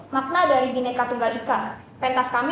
makna dari gineka tunggal ika pentah kami